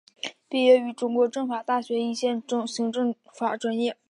毕业于中国政法大学宪法与行政法专业。